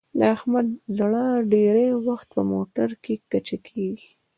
د احمد زړه ډېری وخت په موټرکې کچه کېږي.